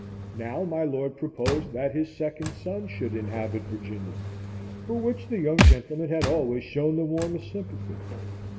Now my lord proposed that his second son should inhabit Virginia, for which the young gentleman had always shown the warmest sympathy.